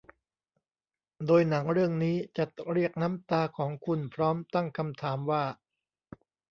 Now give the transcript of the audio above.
โดยหนังเรื่องนี้จะเรียกน้ำตาของคุณพร้อมตั้งคำถามว่า